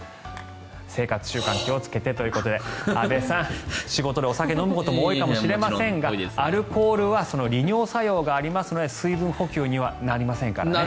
生活習慣気をつけてということで安部さん、仕事でお酒を飲むことも多いかもしれませんがアルコールは利尿作用がありますので水分補給にはなりませんからね。